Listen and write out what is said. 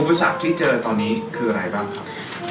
อุปสรรคที่เจอตอนนี้คืออะไรบ้างครับ